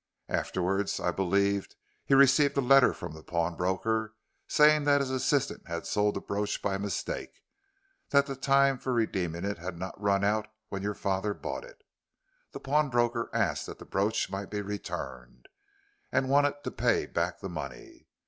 Afterwards, I believe, he received a letter from the pawnbroker, saying that his assistant had sold the brooch by mistake, that the time for redeeming it had not run out when your father bought it. The pawnbroker asked that the brooch might be returned, and wanted to pay back the money.